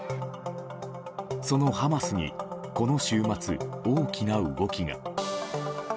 そのハマスにこの週末、大きな動きが。